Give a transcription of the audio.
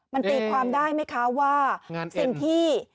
มันตีความได้ไหมคะว่าสิ่งที่